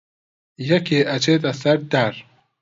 یەکێ ئەچێتە سەر دار